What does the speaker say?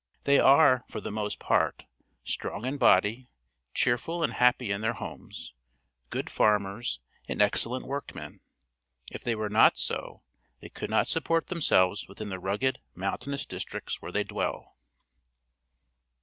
They are, for the most part, strong in body, cheerful and happy in their homes, good farmers, and excellent workmen. If they were not so, they could not support themselves \vithin the rugged, mountainous districts whei"e they dwell.